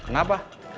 tese rena mau pergi